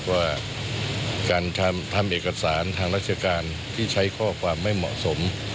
ว่าการทำเอกสารทางราชการที่ใช้ข้อความไม่เหมาะสม